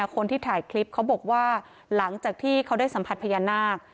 คนที่ถ่ายคลิปเขาบอกว่าหลังจากที่เขาได้สัมผัสพญานาค